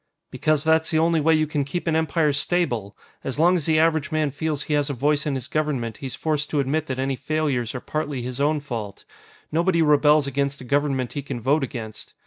"Because that's the only way you can keep an Empire stable! As long as the average man feels he has a voice in his Government, he's forced to admit that any failures are partly his own fault. Nobody rebels against a government he can vote against.